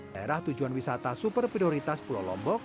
daerah tujuan wisata super prioritas pulau lombok